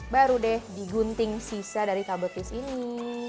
baru deh digunting sisa dari kabel pis ini